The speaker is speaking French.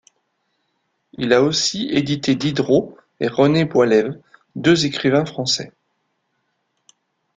Il a aussi édité Diderot et René Boylesve, deux écrivains français.